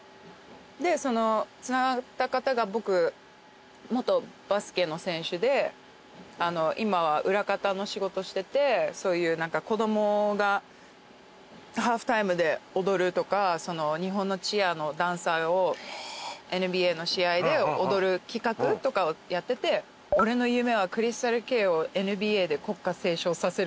でそのつながった方が僕元バスケの選手で今は裏方の仕事しててそういう何か子供がハーフタイムで踊るとか日本のチアのダンサーをＮＢＡの試合で踊る企画とかをやってて。って実現させたんですよ。